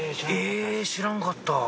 知らんかった。